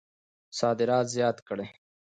صادرات زیات کړئ